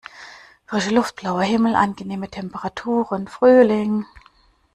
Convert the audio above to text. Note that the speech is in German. Frische Luft, blauer Himmel, angenehme Temperaturen: Frühling!